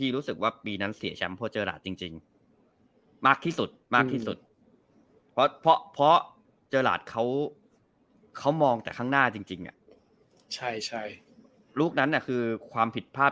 เรารู้สึกว่า